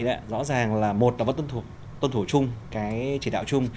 rõ ràng là một là vẫn tuân thủ chung cái chỉ đạo chung